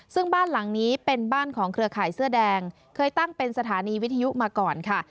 ซึ่งบ้านหลังนี้เป็นบ้านของเครือข่ายเสื้อแดงเคยตั้งเป็นสถานีวิทยุมาก่อนค่ะ